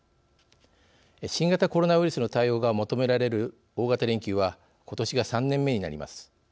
新型コロナウイルスの対応が求められる大型連休はことしが３年目になります。